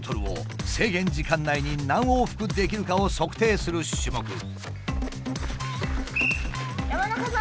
２０ｍを制限時間内に何往復できるかを測定する種目。